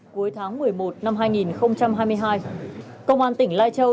cuối tháng một mươi một năm hai nghìn hai mươi hai công an tỉnh lai châu